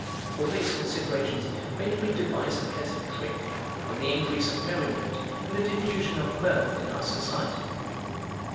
All these considerations made me devise a pleasant trick, for the increase of merriment and the diffusion of mirth in our society.